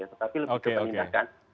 tetapi lebih ke penindakan